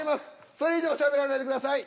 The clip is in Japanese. それ以上しゃべらないでください。